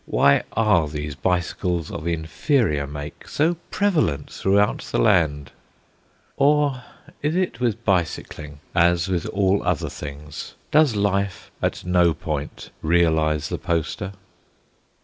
Why are these bicycles of inferior make so prevalent throughout the land Or is it with bicycling as with all other things: does Life at no point realise the Poster?